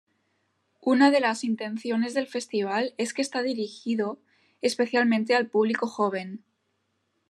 Una de las intenciones del festival es que está dirigido especialmente al público joven.